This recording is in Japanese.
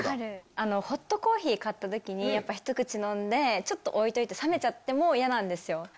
ホットコーヒー買ったときに、やっぱひと口飲んで、ちょっと置いといて冷めちゃっても嫌なんですよ。